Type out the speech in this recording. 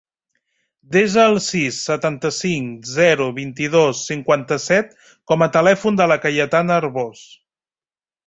Desa el sis, setanta-cinc, zero, vint-i-dos, cinquanta-set com a telèfon de la Cayetana Arbos.